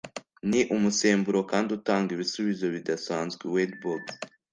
ni umusemburo kandi utanga ibisubizo bidasanzwe. - wade boggs